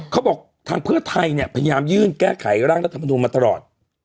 เขาบอกทางเพื่อไทยเนี่ยพยายามยื่นแก้ไขร่างรัฐมนุนมาตลอด